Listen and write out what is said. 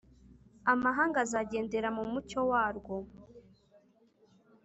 Amahanga azagendera mu mucyo warwo,